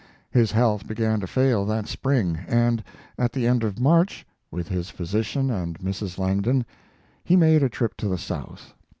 His health began to fail that spring, and at the end of March, with his physician and Mrs. Langdon, he made a trip to the South.